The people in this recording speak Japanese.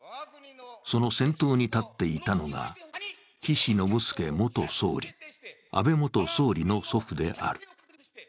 その先頭に立っていたのが岸信介元総理、安倍元総理の祖父である。